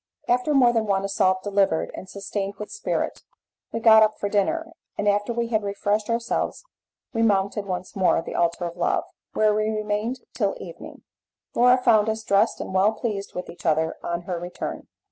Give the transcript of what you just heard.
After more than one assault delivered and sustained with spirit, we got up for dinner, and after we had refreshed ourselves we mounted once more the altar of love, where we remained till the evening. Laura found us dressed and well pleased with each other on her return.